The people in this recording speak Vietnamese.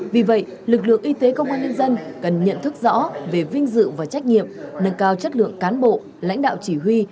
vì vậy lực lượng y tế công an nhân dân cần nhận thức rõ về vinh dự và trách nhiệm nâng cao chất lượng cán bộ lãnh đạo chỉ huy